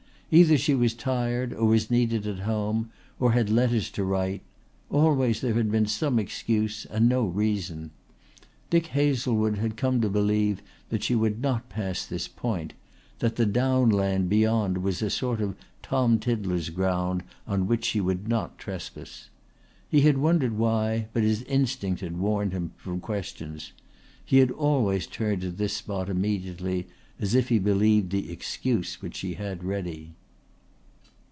Either she was tired or was needed at home or had letters to write always there had been some excuse and no reason. Dick Hazlewood had come to believe that she would not pass this point, that the down land beyond was a sort of Tom Tiddler's ground on which she would not trespass. He had wondered why, but his instinct had warned him from questions. He had always turned at this spot immediately, as if he believed the excuse which she had ready.